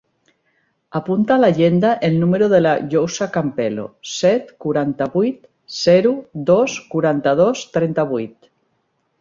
Apunta a l'agenda el número de la Yousra Campello: set, quaranta-vuit, zero, dos, quaranta-dos, trenta-vuit.